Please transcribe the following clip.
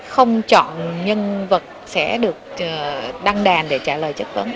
không chọn nhân vật sẽ được đăng đàn để trả lời chất vấn